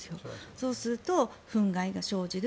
そうするとフン害が生じる。